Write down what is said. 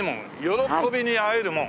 歓びに会える門。